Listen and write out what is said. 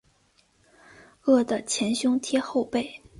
饿得前胸贴后背